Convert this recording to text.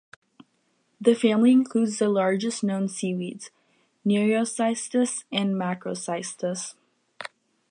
The family includes the largest known seaweeds: "Nereocystis" and "Macrocystis".